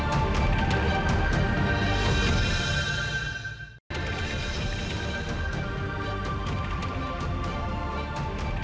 sehingga saya bisa mencari teman yang baik